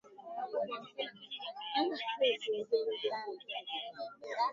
Shetani hauna uwezo.